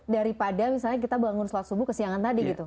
daripada misalnya kita bangun sholat subuh kesiangan tadi gitu